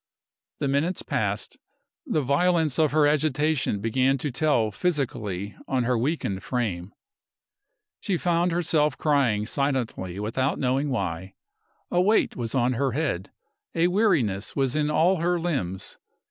The minutes passed. The violence of her agitation began to tell physically on her weakened frame. She found herself crying silently without knowing why. A weight was on her head, a weariness was in all her limbs.